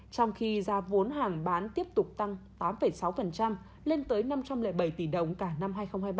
trong khi ra vốn hàng bán tiếp tục tăng tám sáu lên tới năm trăm linh bảy tỷ đồng cả năm hai nghìn hai mươi ba